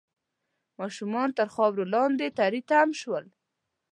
ماشومان تر خاورو لاندې تري تم شول